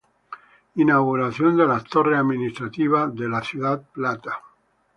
Inauguración de las dos torres administrativas de La Ciudad Plata.